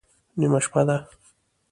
_نيمه شپه ده.